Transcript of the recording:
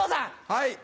はい。